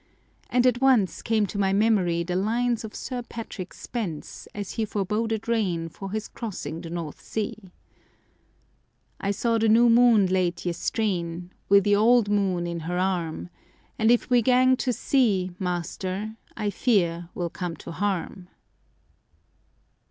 And at once came to my memory the lines of Sir Patrick Spens, as he foreboded rain for his crossing the North Sea: "I saw the new moon late yestreen Wi' the auld moon in her arm; And if we gang to sea, master, I fear we'll come to harm."